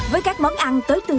với các món ăn tới từ